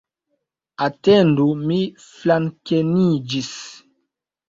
Atendu, mi flankeniĝis.